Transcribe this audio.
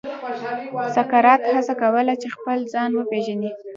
سقراط هڅه کوله چې خپل ځان وپېژني.